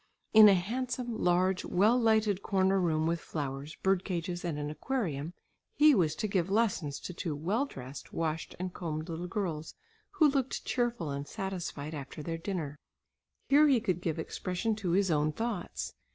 In a handsome, large, well lighted corner room with flowers, bird cages and an aquarium he was to give lessons to two well dressed, washed and combed little girls, who looked cheerful and satisfied after their dinner. Here he could give expression to his own thoughts.